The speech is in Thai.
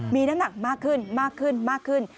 มีน้ำหนักมากขึ้น